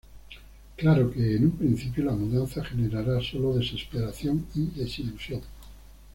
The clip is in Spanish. Claro que, en un principio, la mudanza generará sólo desesperación y desilusión.